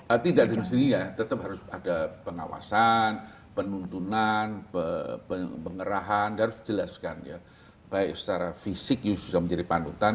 jadi gak guru nanti tidak jin disini tetep ada pengawasan penuntunan penggerahan ya baik versi fisik juga menjadi panutan